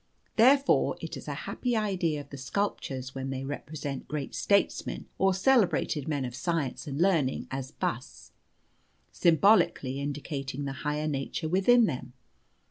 Therefore it is a happy idea of the sculptors when they represent great statesmen, or celebrated men of science and learning as busts, symbolically indicating the higher nature within them.